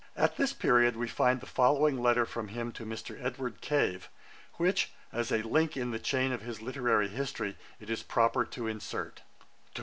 At this period we find the following letter from him to Mr. Edward Cave, which, as a link in the chain of his literary history, it is proper to insert: [Page 107: Johnson returns to Lichfield.